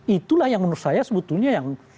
itulah yang menurut saya sebetulnya yang